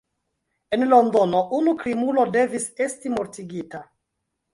En Londono unu krimulo devis esti mortigita.